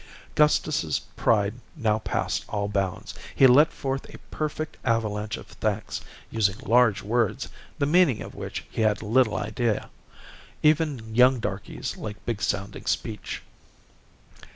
Gustus's pride now passed all bounds. He let forth a perfect avalanche of thanks, using large words, the meaning of which he had little idea. Even young darkies like big sounding speech.